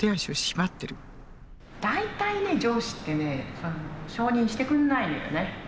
大体ね上司ってね承認してくんないのよね。